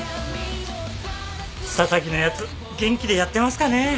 紗崎のやつ元気でやってますかね？